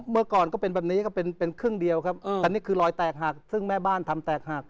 เมื่อก่อนก็เป็นแบบนี้ก็เป็นเป็นครึ่งเดียวครับแต่นี่คือรอยแตกหักซึ่งแม่บ้านทำแตกหัก